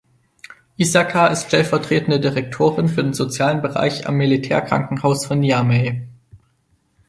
Issaka ist stellvertretende Direktorin für den sozialen Bereich am Militärkrankenhaus von Niamey.